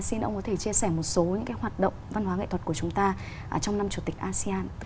xin ông có thể chia sẻ một số những cái hoạt động văn hóa nghệ thuật của chúng ta trong năm chủ tịch asean